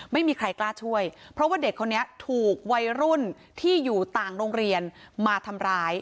ไม่มีใครกล้าช่วยเพราะว่าเด็กคนนี้ถูกวัยรุ่นที่อยู่ต่างโรงเรียนมาทำร้าย